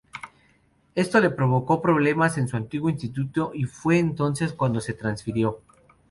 Esto le provocó problemas en su antiguo instituto y fue entonces cuando se transfirió.